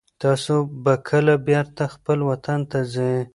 تاسو به کله بېرته خپل وطن ته ځئ؟